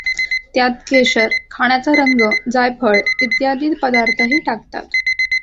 त्यात केशर, खाण्याचा रंग, जायफळ इत्यादी पदार्थही टाकतात.